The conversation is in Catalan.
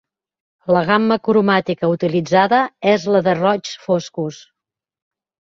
La gamma cromàtica utilitzada és la de roigs foscos.